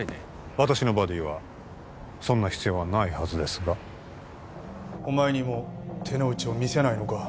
私のバディはそんな必要はないはずですがお前にも手の内を見せないのか？